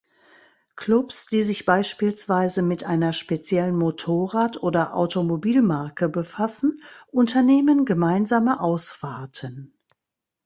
Klubs, die sich beispielsweise mit einer speziellen Motorrad- oder Automobilmarke befassen, unternehmen gemeinsame Ausfahrten.